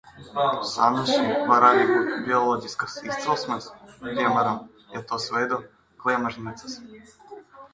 Saneši var arī būt bioloģiskas izcelsmes, piemēram, ja tos veido gliemežnīcas.